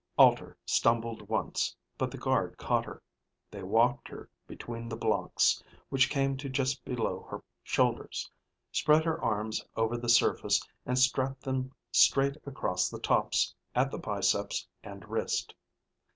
Alter stumbled once, but the guard caught her. They walked her between the blocks, which came to just below her shoulders, spread her arms over the surface and strapped them straight across the tops at the biceps and wrist.